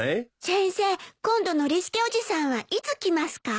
先生今度ノリスケおじさんはいつ来ますか？